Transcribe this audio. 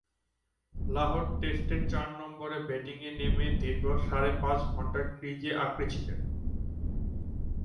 লাহোর টেস্টে চার নম্বরে ব্যাটিংয়ে নেমে দীর্ঘ সাড়ে পাঁচ ঘণ্টা ক্রিজ আঁকড়ে ছিলেন।